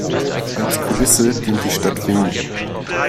Als Kulisse dient die Stadt Wien.